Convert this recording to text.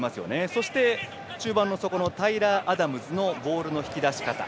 そして中盤のタイラー・アダムズのボールの引き出し方。